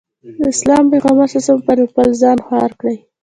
د اسلام پيغمبر ص وفرمايل خپل ځان خوار کړي.